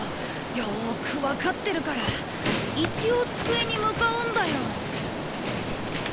よくわかってるから一応机に向かうんだよ。